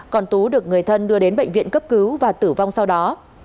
còn tú được người thân đưa đến bệnh viện cấp cứu và tử vong sau đó